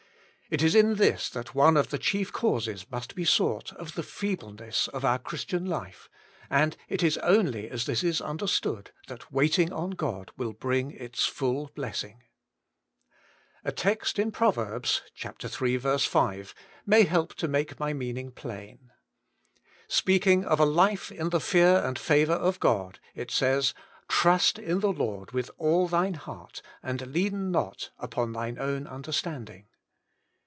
It is in this that one of the chief causes must be sought of the feebleness of our Christian life, and it is only as this is understood that waiting on God will bring its full blessing. A text in Proverbs (iii. 5) may help to make my meaning plain. Speaking of a life in the fear and favour of God, it says, * Trust in the Lord with all thine heart, and lean not upon thine own understanding.'